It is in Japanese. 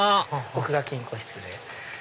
奥が金庫室で。